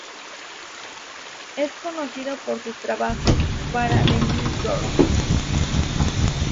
Es conocido por sus trabajos para "The New Yorker".